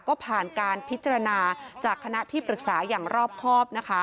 ก็ผ่านการพิจารณาจากคณะที่ปรึกษาอย่างรอบครอบนะคะ